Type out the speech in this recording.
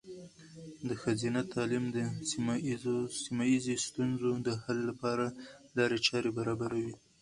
د ښځینه تعلیم د سیمه ایزې ستونزو د حل لپاره لارې چارې برابروي.